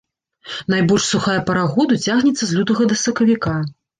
Найбольш сухая пара году цягнецца з лютага да сакавіка.